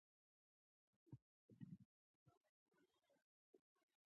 صبر وکړئ او ستاسې صبر د الله لپاره دی.